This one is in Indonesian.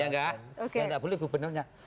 yang tidak boleh gubernurnya